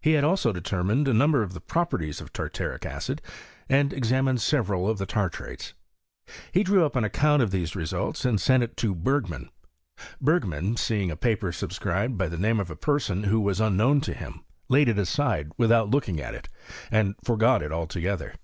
He had also determined a number of the properties of tartaric acid, and examined several of the tartrates. He drew up an account of them results, and sent it to Bergman. Bergman, seeing a paper subscribed by tiie name of a person PR0GEES8 OF CHEMISTRY IK SWEDEN. 57 who was uiikno¥m to him, laid it aside without looking at it, and forgot it altogether.